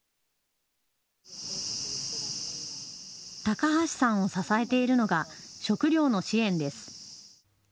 高橋さんを支えているのが食料の支援です。